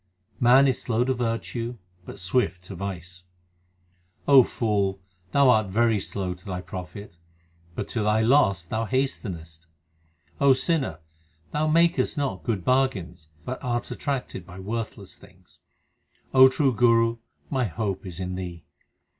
Man is slow to virtue, but swift to vice : O fool, thou art very slow to thy profit, but to thy loss thou hastenest. O sinner, thou makest not good bargains, but art attracted by worthless things. 2 O true Guru, my hope is in thee.